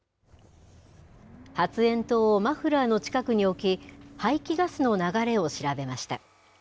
発煙筒をマフラーの近くに置き、排気ガスの流れを調べました。